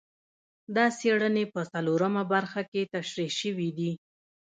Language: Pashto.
دا څېړنې په څلورمه برخه کې تشرېح شوي دي.